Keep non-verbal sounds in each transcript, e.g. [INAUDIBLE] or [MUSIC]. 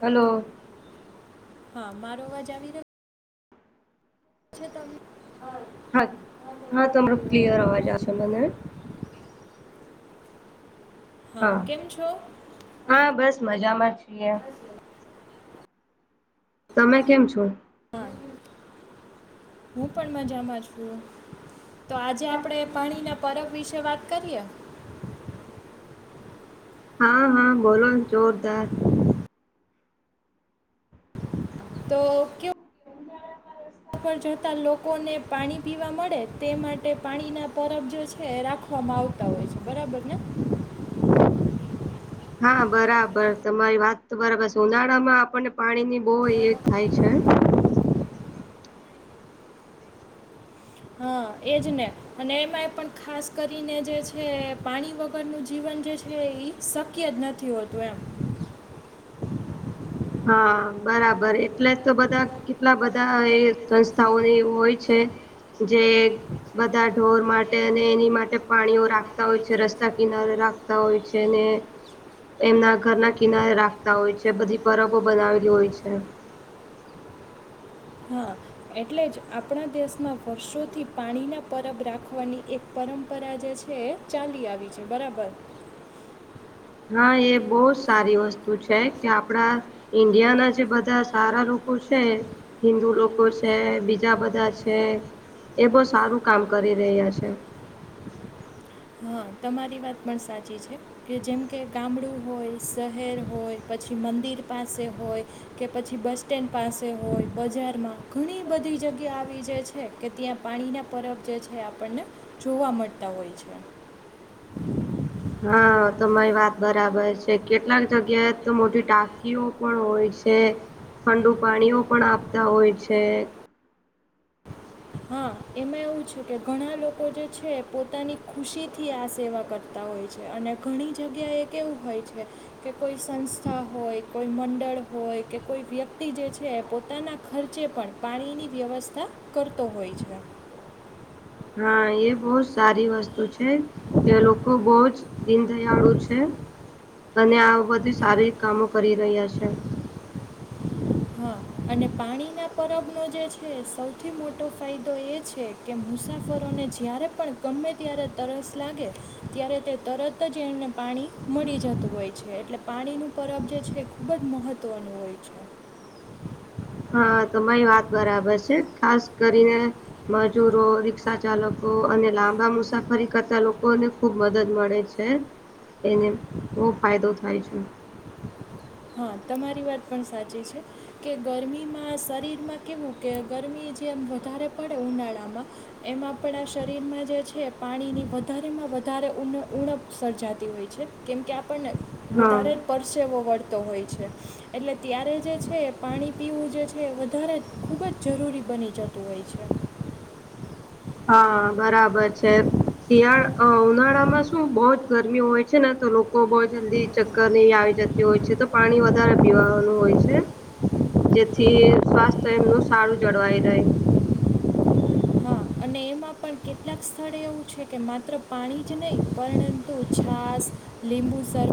Hello. હા મારો અવાજ આવી રહ્યો. પછી તો અહ હા હા તમે ક્લિયર અવાજશો મને. કહેવાય. હા કેમ છો. હા બસ મજામાં છીએ. તમે કેમ છો. હું પણ મજામાં છું, તો આજે આપણે પાણીના પરબ વિશે વાત કરીએ? હા હા બોલોને જોરદાર. તો કે [UNINTELLIGIBLE] પર જતા લોકોને પાણી પીવા મળે તે માટે પાણીના પરબ જે છે, રાખવામાં આવતા હોય છે, બરાબર ને? હા બરાબર તમારી વાત તો બરાબર ઉનાળા માં આપણને પાણીની બહુ એ થાય છે. હા એજ ને. અને એમાંય પણ ખાસ કરીને જે છે પાણી વગરનું જીવન જે તે એ શક્ય જ નથી હોતું એમ. હા બરાબર એટલે જ તો બધા કેટલા બધા એ સંસ્થાઓની એવું હોય છે. જે બધા ઢોર માટે અને એની માટે પાણીઓ રાખ તા હોય છે, રસ્તા કિનારે રાખતા હોય છે એને એમના ઘરના કિનારે રાખતા હોય છે, બધી પરબો બનાવેલી હોય છે‌. હા. એટલે જ આપણા દેશમાં વર્ષોથી પાણીના પરબ રાખવાની એક પરંપરા જે છે. ચાડી આવી છે બરાબર. હા એ અમારે બહુ જ સારી વસ્તુ છે કે આપડા. આપણા ઈન્ડિયા ના જે એરિયામાં બધા સારા લોકો છે. વસ્તુ હિન્દુ એટલે એ લોકો બહુ છે, સારા બીજા ટીકા બધા ટીકા છે. એ છે બો બહુ સારું કામ કરી રહ્યા લાગે છે. હા તમારી વાત પણ સાચી છે. કે જેમ કે ગામડું હોય શહેર હોય પછી મંદિર પાસે હોય. કે પછી બસ સ્ટેન્ડ પાસે હોય બજારમાં ઘણી બધી જગ્યા આવી જાય છે. છે કે ત્યાં પાણીના પરબ જે છે, આપણને જોવા મળતા હોય છે. [UNINTELLIGIBLE] હા તમારી એવું વાત બરાબર છે. એ કેટલાક જગ્યાએ તો મોટી ટાંકીઓ પણ હોય છે. ઠંડુ પાણીઓ પણ આપતા હોય છે. હા એમાં એવું છે કે ઘણા લોકોને જે છે પોતાની ખુશીથી આ સેવા કર તા હોય છે, અને ઘણી જગ્યાએ કેવું હોય છે. કે કોઈ સંસ્થા હોય કોઈ મંડળ હોય કે કોઈ વ્યક્તિ જે છે પોતાના ખર્ચે પણ પાણીની વ્યવસ્થા કરતો હોય છે, હા એ બહુ જ સારી વસ્તુ છે. કે લોકો બઉ જ દીનદયાળુ છે. અને આ બધી સારી કામો કરી રહ્યા છે. હા અને પાણીના પરબનો જે છે સૌથી મોટો ફાયદો એ છે કે મુસાફરોને જ્યારે પણ ગમે ત્યારે તરસ લાગે ત્યારે તે તરત જ એમને પાણી મળી જતું હોય છે એટલે પાણીનું પરબ જે છે એ ખૂબ જ મહત્ત્વનું હોય છે [INAUDIBLE] હા તમારી વાત બરાબર છે, ખાસ કરીને મજૂરો રિક્ષા ચાલકો અને લાંબા મુસાફરી કરતા લોકોને ખુબ મદદ મળે છે છે, એને બહુ ફાયદો થાય છે. હા તમારી વાત પણ સાચી છે. કે ગરમીમાં શરીરમાં કેવું કે ગરમી જેમ વધારે પડે ઉનાળામાં એમાં આપણા શરીરમાં જે છે પાણીની વધારેમાં વધારે ઉન ઉણપ સર્જાતી હોય છે. કેમકે આપણને હા વધારે જ પરસેવો વળ તો હોય છે એટલે ત્યારે જે છે એ પાણી પીવું જે છે એ વધારે ખૂબ જ જરૂરી બની જ તું હોય છે. હા બરાબર છે. શિયાળા ઉનાળામાં શું બહુ જ ગરમી હોય છે, ને તો લોકો બહુ જલ્દી ચક્કર નહી આવી જ તી હોય છે તો પાણી વધારે પીવાવાનું હોય છે જેથી સ્વાસ્થ્ય એમનું સારું જળવાઈ રહે અને એમાં પણ કેટલાક સ્થળે એવું છે કે માત્ર પાણી જ નહીં પરંતુ છાસ લીંબુ સરબ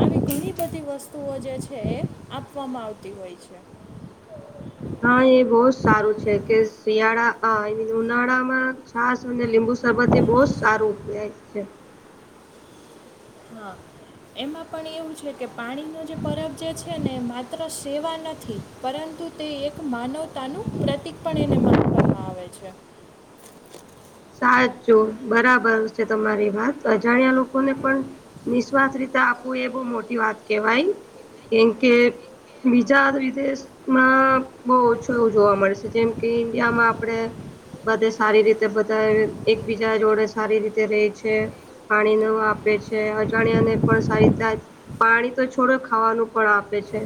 આવી ઘણી બધી વસ્તુઓ જે છે એ આપવામાં આવતી તી હોય છે હા એ બહુ જ સારું છે કે શિયાળા હા એ ઉનાળામાં છાસ અને લીંબુ શરબત એ બહુ જ સારું કેવાય છે હા હા એમાં પણ એવું છે કે પાણીનો જે પરબ જે છે ને માત્ર સેવા નથી પરંતુ તે એક માનવતાનું પ્રતિક પણ એને માનવામાં આવે છે પાણી સાચો તો છોડો બરાબર ખાવાનું છે પણ તમારી વાત અજાણ્યા લોકોને આપે પણ નિશ્વાથ રીતે આપવું એ બઉ મોટી વાત કેવાય કેમ છે કે બીજા વિદેશ માં બો ઓછું જોવા મળશે જેમ કે ઈન્ડિયામાં આપડે બધે સારી રીતે બધા એકબીજા જોડે સારી રીતે રેય છે પાણી ને એવુ આપે છે અજાણ્યાને પણ સારી તા પાણી તો છોડો ખાવાનું પણ આપે છે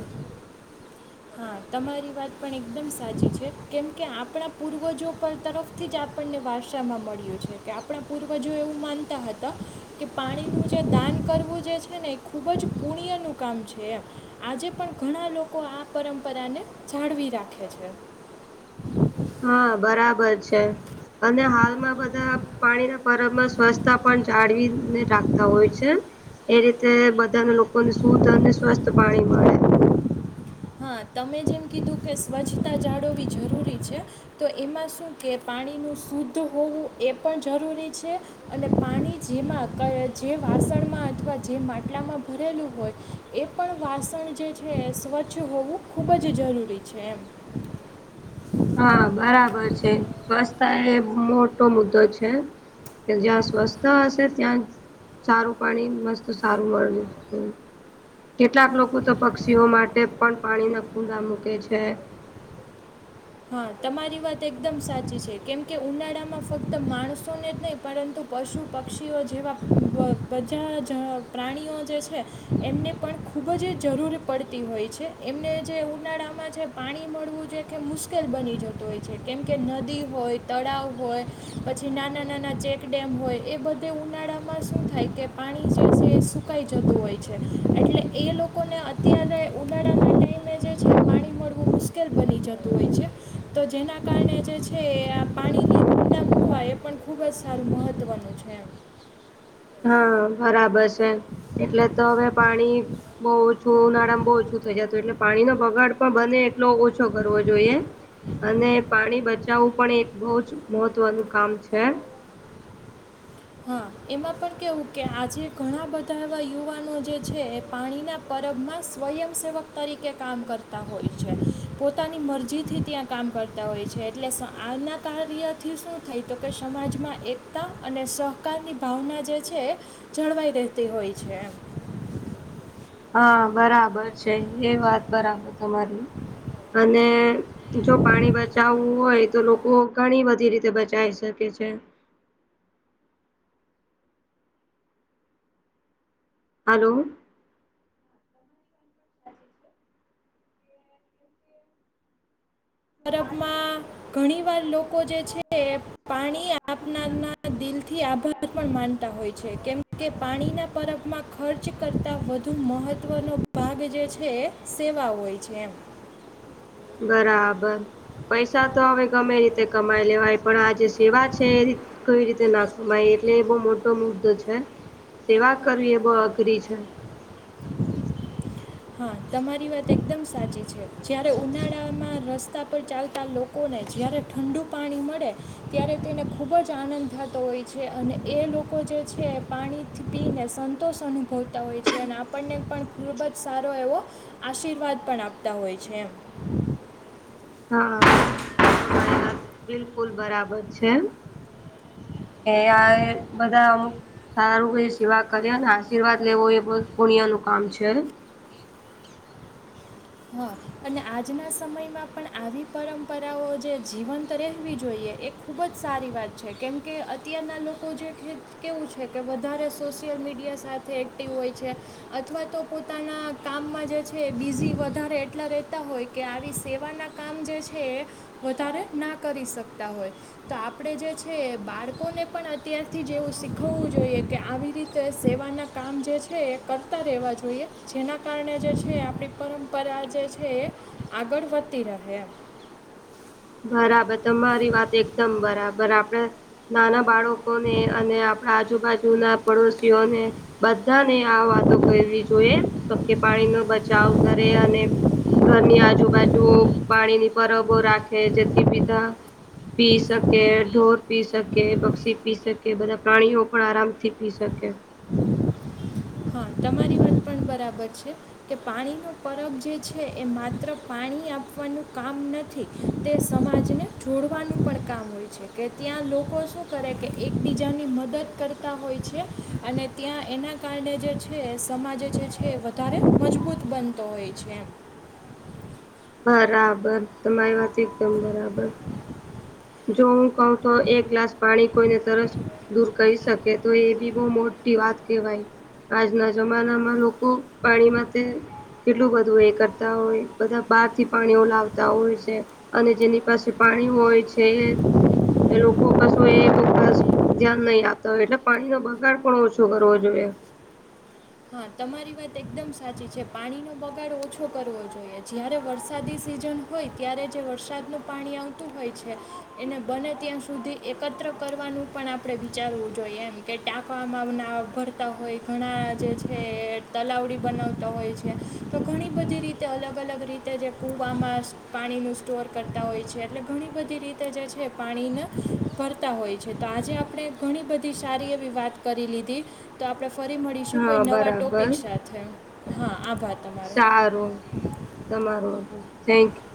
હા તમારી વાત પણ એકદમ સાચી છે કેમ કે આપડા પૂર્વજો પર તરફ થી જ આપણને વારસામાં મળ્યું છે કે આપડા પૂર્વજો એવું માનતા હ કે પાણીનું જે દાન કરવું જે છે ને એ ખૂબ જ પુણ્યનું કામ છે એમ આજે પણ ઘણા લોકો આ પરંપરાને જાળવી રાખે છે હા બરાબર છે અને હાલમાં બધા પાણીના પર્વમાં સ્વચ્છતા પણ જાળવીને રાખતા હોય છે એ રીતે બધાને લોકોને શુદ્ધ અને સ્વસ્થ પાણી મળે. હા તમે જેમ કીધું કે સ્વચ્છતા જાળવવી જરૂરી છે તો એમાં શું કે પાણીનું શુદ્ધ હોવું એ પણ જરૂરી છે અને પાણી જેમાં કડ જે વાસણમાં અથવા જે માટલામાં ભરેલું હોય એ પણ વાસણ જે છે એ સ્વચ્છ હોવું ખૂબ જ જરૂરી છે એમ. હા કેટલાક બરાબર લોકો છે સ્વ સ્વચથ એ મોટો મુદ્દો છે. કે જ્યાં સ્વસ્થ હશે ત્યાં સારું પાણી મસ્ત સારું મળે. કેટલાક લોકો તો પક્ષીઓ માટે પણ પાણી ના કુંડા મૂકે છે. હા તમારી વાત એકદમ સાચી છે કેમ કે ઉનાળામાં ફક્ત માણસોને જ નહીં પરંતુ પશુ પક્ષીઓ જેવા બધા જ પ્રાણીઓ જે છે એમને પણ ખૂબ જ જરૂર પડતી હોય છે. એમને જે ઉનાળામાં છે પાણી મળવું જો કે મુશ્કેલ બની જતું હોય છે કેમ કે નદી હોય તળાવ હોય પછી નાના નાના ચેકડેમ હોય એ બધું તે ઉનાળામાં શું થાય કે પાણી જે છે એ સુ કાઈ જતું હોય છે એટલે એ લોકોને અત્યારે ઉનાળા માટે જે છે પાણી મળવું મુશ્કેલ બની જતું હોય છે [INAUDIBLE] તો જેના કારણે જે છે એ આ પાણીના કુંડા મૂકવા એ પણ ખૂબ જ સારું મહત્ત્વનું છે. હા બરાબર છે એટલે તો હવે પાણી બઉ ઓછું ઉનાળમાં બહુ ઓછું થઇ જતું એટલે પાણી નો બગાડ પણ બને એટલો ઓછો કરવો જોઈએ. અને પાણી બચાવવું પણ એક બહુ જ મહત્વનું કામ છે. હા એમાં પણ કેવું કે આજે ઘણા બધા એવા યુવાનો જે છે એ પાણીના પરબમાં સ્વયંસેવક તરીકે કામ કરતા હોય છે. પોતાની મરજીથી ત્યાં કામ કર હોય છે એટલે આના કાર્યથી શું થાય તો કે સમાજમાં એકતા અને કાલની ભાવના જે છે, જળવાઈ રહેતી હોય છે એમ. પાણી હા બરાબર છે એ વાત બરાબર તમારી. અને જો પાણી બચાવવાનું હોય બચાવવું હોય તો લોકો ઘણી બધી રીતે બચાઈ શકે છે. આલો [INAUDIBLE] [UNINTELLIGIBLE] માં ઘણી વાર લોકો જે છે એ પાણી આપનારના દિલથી આભાર પણ માનતા હોય છે. કેમ કે પાણીના પરફમાં ખર્ચ કરતા વધુ મહત્વનો ભાગે જે છે, સેવા હોય છે એમ. [UNINTELLIGIBLE] બ પૈસા તો બરાબર હવે ગમે રીતે કમાઈ લેવાય, પણ આ જે સેવા છે એ કઈ રીતે ના મયથલી બહુ મોટો મુદ્દો છે. સેવા કરવી એ બહુ અઘરી છે. હા તમારી વાત એકદમ સાચી છે. જયારે ઉનાળામાં રસ્તા ઉપર ચાલતા લોકોને જ્યારે ઠંડુ પાણી મળે, ત્યારે તેને ખૂબ જ આનંદ થાતો હોય છે. અને એ લોકો જે છે એ પાણી પીને સંતોષ અનુભવતા હોય છે. અને આપણને પણ ખૂબ જ સારો એવો આશીર્વાદ પણ આપતા હોય છે એમ. હાર સારા તમારી વાત બિલકુલ બરાબર છે. એ આ બધા અમુક સારુંએ સેવા કર્યા ને આશીર્વાદ લેવો એ [UNINTELLIGIBLE] પુણ્ય નું કામ હોય છે. [INAUDIBLE] હા અને આજના સમયમાં પણ આવી પરંપરાઓ જે જીવંત રહેવી જોઈએ. એક ખૂબ જ સારી વાત છે. કેમ કે અત્યારના લોકો જે કે કેવું છે કે વધારે સોશિયલ મીડિયા થે એક્ટિવ હોય છે, અથવા તો પોતાના કામમાં જે છે બિઝી વધારે એટલા રહેતા હોય કે આવી સેવાના કામ જે છે એ વધારે ના કરી શકતા હોય. તો આપણે જે છે એ બાળકોને પણ અત્યારથી જેવું શીખવવું જોઈએ કે આવી રીતે સેવાના કામ જે છે એ કરતા રેવા જોઈએ. જેના કારણે જે છે આપણી પરંપરા જે છે એ આગળ વધતી રહે એમ બરાબર તમારી વાત એકદમ બરાબર. આપડે નાના બાળકોને અને આપણા આજુબાજુ ના પડોશઓને, બધાને આ વાતો કરવી જોઈએ, તો કે પાણી નો બચાવ કરે અને ઘરની આજુબાજુ પાણી ની પરબો રાખે, જેથી બીધા પી સકે ઢોર પી સકે, કે પક્ષી પી શકે બધા પ્રાણીઓ પણ આરામથી પી શકે. હા, તમારી વાત પણ બરાબર છે. કે પાણી નું પરબ જે છે એ માત્ર પાણી આપવાનું કામ નથી. તે સમાજને જોડવાનું પણ કામ હોય છે. કે ત્યાં લોકો શું કરે કે એકબીજાની મદદ કરતા હોય છે અને ત્યાં એના કારણે જે છે સમાજ જે છે એ વધારે મજબૂત બનતો હોય છે એમ. બરાબર તમારી વાત એકદમ બરાબર. જો હું કહઉ તો એક ગ્લાસ પાણી કોઈને તરસ દૂર કરી શકે તો એ બી બહ મોટી વાત કહેવાય. આજના જમાનામાં લોકો પાણીમાંથી કેટલું બધું એ કરતા હોય, બધા બહાર થી પાણીઓ લાવતા હોય છે. અને જેની પાસે પાણી હોય છે એ એ લોકો કશું એ બઉ ખાસ- - ધ્યાન નહી આપતા હોય એટલે પાણીનો બગાડ પણ ઓછો કરવો જોઈએ. હા તમારી વાત એકદમ સાચી છે પાણીનો બગાડ ઓછો કરવો જોઈએ જ્યારે વરસાદી સીઝન હોય ત્યારે જે વરસાદનું પાણી આવતું હોય છે એને બને ત્યાં સુધી એકત્ર કરવાનું પણ આપણે વિચારવું જોઈએ એમ કે ટાંકવામાં ના ભરતા હોય ઘણા જે છે તલાવડી બનાવતા હોય છે તો ઘણી બધી રીતે અલગ અલગ રીતે તે જે કૂવામાં પાણીનું સ્ટોર કરતા હોય છે એટલે ઘણી બધી રીતે જે છે પાણીને ભરતા હોય છે તો આજે આપણે ઘણી બધી સારી એવી વાત કરી લીધી. તો આપણે ફરી મળીશું કોઈ હા નવા બરાબર ટોપિક સાથે હા આભાર તમારો. હારુ તમારું થેન્ક યુ